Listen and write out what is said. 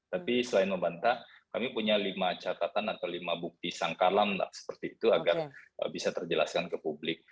tapi selain membantah kami punya lima catatan atau lima bukti sangkalam seperti itu agar bisa terjelaskan ke publik